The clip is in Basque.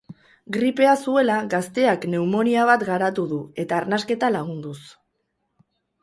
Gripea zuela, gazteak neumonia bat garatu du eta arnasketa lagunduz.